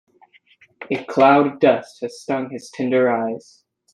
A cloud of dust stung his tender eyes.